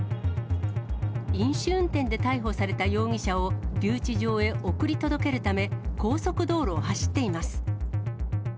飲酒運転で逮捕された容疑者を留置場へ送り届けるため、高速道路を走っています。